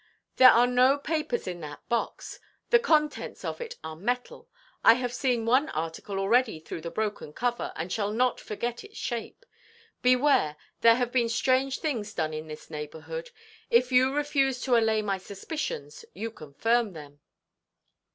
"There are no papers in that box. The contents of it are metal. I have seen one article already through the broken cover, and shall not forget its shape. Beware; there have been strange things done in this neighbourhood. If you refuse to allay my suspicions, you confirm them."